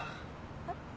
えっ？